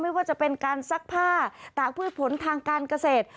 ไม่ว่าจะเป็นการซักผ้าตากพืชผลทางการเกษตร